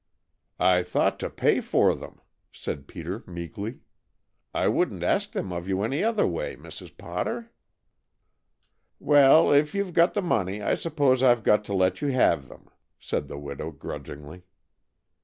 "I thought to pay for them," said Peter meekly. "I wouldn't ask them of you any other way, Mrs. Potter." "Well, if you 've got the money I suppose I've got to let you have them," said the widow grudgingly.